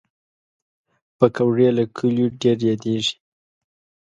پکورې له کلیو ډېر یادېږي